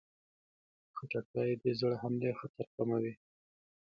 خټکی د زړه حملې خطر کموي.